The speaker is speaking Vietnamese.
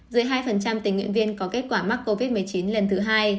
dưới hai tình nguyện viên có kết quả mắc covid một mươi chín lần thứ hai